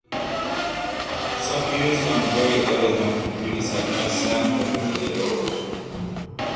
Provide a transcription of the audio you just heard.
Some used on very early home computers had no sound capability at all.